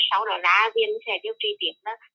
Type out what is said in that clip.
sau đó là viên sẽ tiêu kỳ tiếp